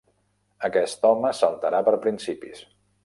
Aquest home saltarà per principis.